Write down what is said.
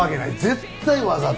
絶対わざとや。